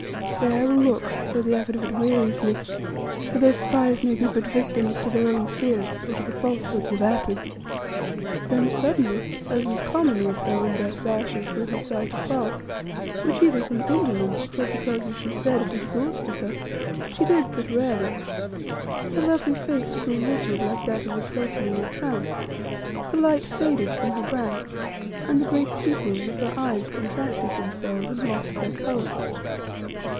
Stay, I will look, though the effort of it wearies me, for those spies may be but victims to their own fears, or to the falsehoods of Atene." Then suddenly, as was common with her when thus Ayesha threw her sight afar, which either from indolence, or because, as she said, it exhausted her, she did but rarely, her lovely face grew rigid like that of a person in a trance; the light faded from her brow, and the great pupils of her eyes contracted themselves and lost their colour.